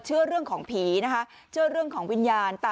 นี่นี่นี่นี่นี่นี่นี่นี่นี่